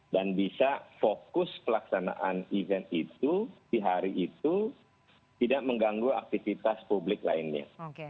dan bisa fokus pelaksanaan event itu di hari itu tidak mengganggu aktivitas publik lainnya